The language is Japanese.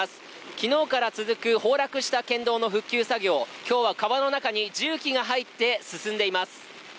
昨日から続く崩落した県道の復旧作業、今日は川の中に重機が入って進んでいます。